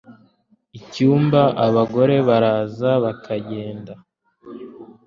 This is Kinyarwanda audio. ucyumba abagore baraza bakagenda